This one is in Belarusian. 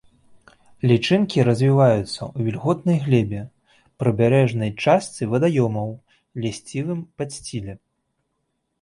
Лічынкі развіваюцца ў вільготнай глебе, прыбярэжнай частцы вадаёмаў, лісцевым подсціле.